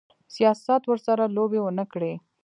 سیاست ورسره لوبې ونه کړي.